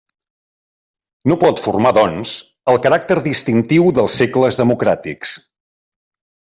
No pot formar, doncs, el caràcter distintiu dels segles democràtics.